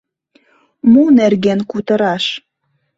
Мо нерген кутыраш?